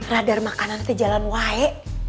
radar makanan aja jalan waae